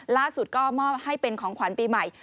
ล่าสุดก็มอบให้เป็นของขวัญปีใหม่